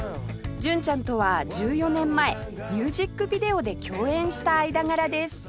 純ちゃんとは１４年前ミュージックビデオで共演した間柄です